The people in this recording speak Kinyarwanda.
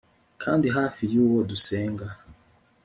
kandi hafi y'uwo dusenga